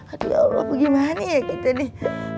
aduh ya allah gimana ya kita nih